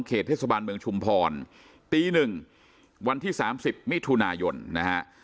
เทศบาลเมืองชุมพรตีหนึ่งวันที่๓๐มิถุนายนนะฮะ